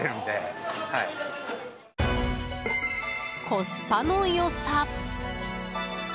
コスパの良さ。